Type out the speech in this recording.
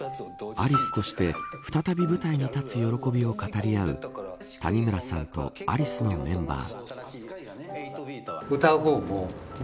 アリスとして再び舞台に立つ喜びを語り合う谷村さんとアリスのメンバー。